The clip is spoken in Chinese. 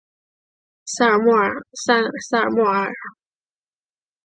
沙尔穆瓦尔。